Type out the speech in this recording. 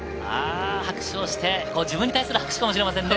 自分に対する拍手かもしれませんね。